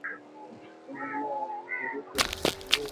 wenye nia ya kuvuruga utulivu